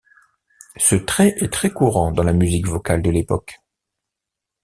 Ce trait est très courant dans la musique vocale de l'époque.